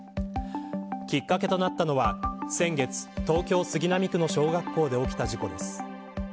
きっかけとなったのは先月東京、杉並区の小学校で起きた事故です。